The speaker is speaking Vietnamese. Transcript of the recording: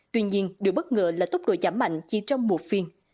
tuy nhiên điều bất ngờ là tốc độ giảm mạnh chỉ trong một phiên